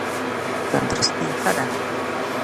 تندرستي ښه ده.